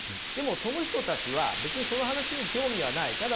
でもその人たちは別にその話に興味はない。